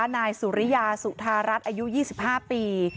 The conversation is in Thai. นายสุริยาสุธารัฐอายุ๒๕ปี